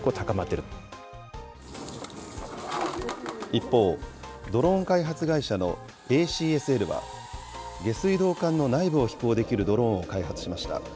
一方、ドローン開発会社のＡＣＳＬは、下水道管の内部を飛行できるドローンを開発しました。